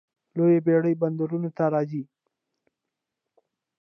لویې بیړۍ بندرونو ته راځي.